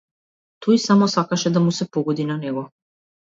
Тој само сакаше да му се погоди на него.